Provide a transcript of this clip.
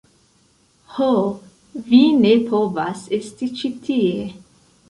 Ho, vi ne povas esti ĉi tie